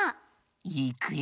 いくよ！